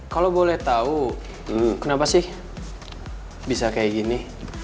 kalau boleh tahu kenapa sih bisa kayak gini